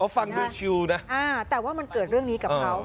ฟังดูชิวนะแต่ว่ามันเกิดเรื่องนี้กับเขา